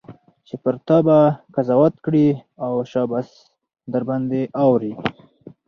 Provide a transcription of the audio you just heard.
چي پر تا به قضاوت کړي او شاباس درباندي اوري